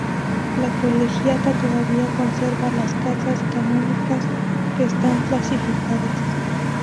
La colegiata todavía conserva las casas canónicas que están clasificadas.